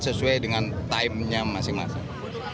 sesuai dengan timenya masing masing